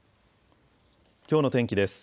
きょうの天気です。